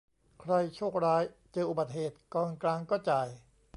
ใคร "โชคร้าย" เจออุบัติเหตุ กองกลางก็จ่าย